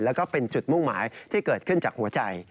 แล้วก็เป็นจุดมุ่งหมายที่เกิดขึ้นจากหัวใจ